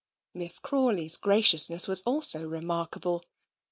Miss Crawley's graciousness was also remarkable.